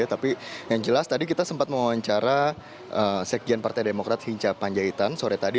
tapi yang jelas tadi kita sempat mewawancara sekjen partai demokrat hinca panjaitan sore tadi